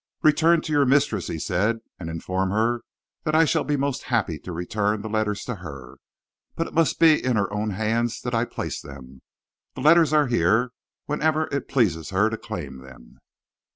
"'Return to your mistress,' he said, 'and inform her that I shall be most happy to return the letters to her. But it must be in her own hands that I place them. The letters are here, whenever it pleases her to claim them."